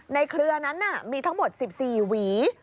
เครือนั้นมีทั้งหมด๑๔หวี